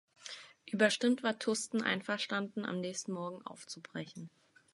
Überstimmt war Tusten einverstanden, am nächsten Morgen aufzubrechen.